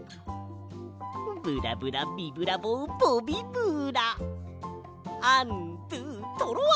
ブラブラビブラボボビブラアンドゥトロワ！